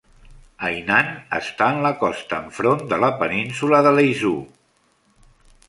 Hainan està en la costa, enfront de la península de Leizhou.